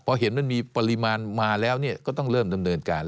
พอเห็นมันมีปริมาณมาแล้วก็ต้องเริ่มดำเนินการ